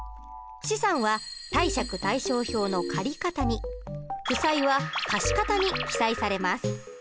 資産は貸借対照表の借方に負債は貸方に記載されます。